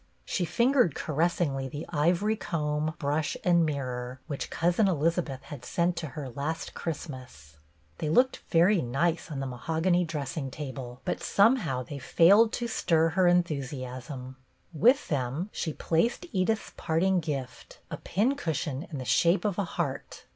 She fingered caressingly the ivory comb, brush, and mirror which Cousin Elizabeth had sent to her last Christmas. They looked very nice on the mahogany dressing table, BETTY BAIRD 5 ° but somehow they failed to stir her enthu siasm. With them she placed Edith's part ing gift, a pin cushion in the shape of a heart.